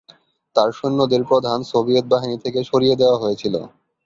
তার সৈন্যদের প্রধান সোভিয়েত বাহিনী থেকে সরিয়ে দেওয়া হয়েছিল।